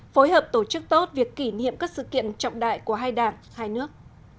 phối hợp tổ chức tốt việc kỷ niệm các sự kiện trọng đại của hai đảng hai nước